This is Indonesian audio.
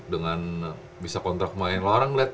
dengan bisa kontrak main